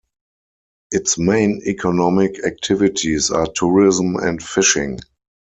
Its main economic activities are tourism and fishing.